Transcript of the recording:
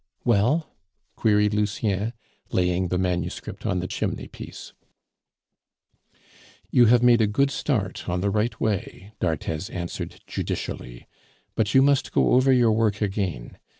"Well?" queried Lucien, laying the manuscript on the chimney piece. "You have made a good start on the right way," d'Arthez answered judicially, "but you must go over your work again.